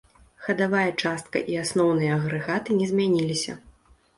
Хадавая частка і асноўныя агрэгаты не змяніліся.